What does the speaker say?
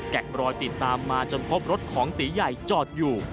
รอยติดตามมาจนพบรถของตีใหญ่จอดอยู่